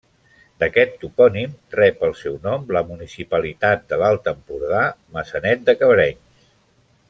D'aquest topònim rep el seu nom la municipalitat de l'Alt Empordà, Maçanet de Cabrenys.